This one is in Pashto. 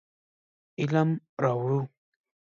علم راوړو.